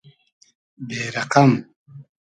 بې رئقئم